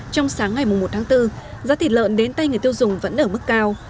trong sáng ngày một tháng bốn giá thịt lợn đến tay người tiêu dùng vẫn ở mức cao